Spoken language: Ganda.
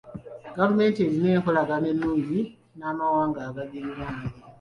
Gavumenti erina enkolagana ennungi n'amawanga agagiriraanye..